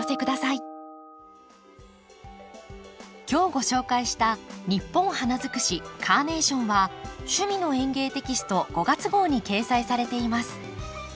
今日ご紹介した「ニッポン花づくしカーネーション」は「趣味の園芸」テキスト５月号に掲載されています。